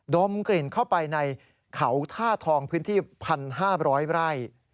ดมกลิ่นเข้าไปในเขาท่าทองพื้นที่๑๕๐๐ไร่